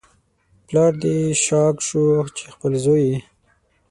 پلار په دې شاک شو چې خپل زوی یې